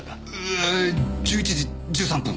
ええ１１時１３分。